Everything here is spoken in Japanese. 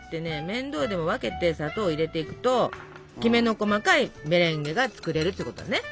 面倒でも分けて砂糖を入れていくときめの細かいメレンゲが作れるってことね。